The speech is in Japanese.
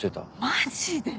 マジで。